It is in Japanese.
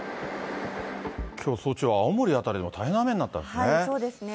きょう早朝、青森辺りも大変な雨になったんですね。